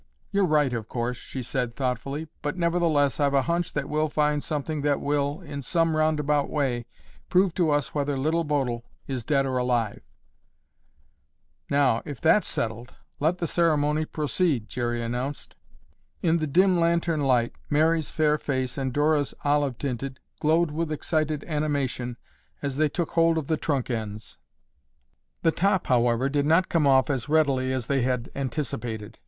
"You're right of course," she said thoughtfully, "but, nevertheless I've a hunch that we'll find something that will, in some roundabout way, prove to us whether Little Bodil is dead or alive." "Now, if that's settled, let the ceremony proceed," Jerry announced. In the dim lantern light Mary's fair face and Dora's olive tinted glowed with excited animation as they took hold of the trunk ends. The top, however, did not come off as readily as they had anticipated.